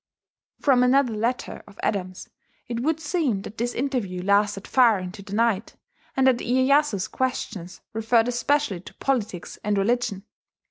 From another letter of Adams it would seem that this interview lasted far into the night, and that Iyeyasu's questions referred especially to politics and religion.